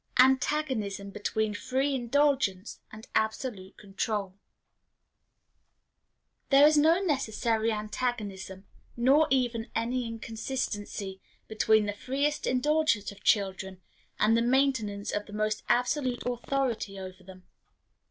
Antagonism between Free Indulgence and Absolute Control. There is no necessary antagonism, nor even any inconsistency, between the freest indulgence of children and the maintenance of the most absolute authority over them.